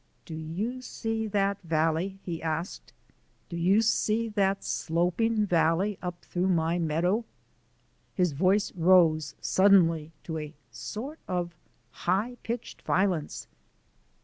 "Do you see that valley?" he asked. "Do you see that slopin' valley up through the meadow?" His voice rose suddenly to a sort of high pitched violence.